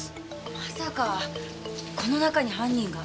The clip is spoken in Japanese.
まさかこの中に犯人が？